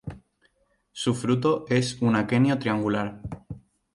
Su fruto es un aquenio triangular.